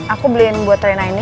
aku beliin buat rena ini